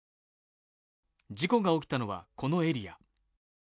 事故が起きたのは、このエリア。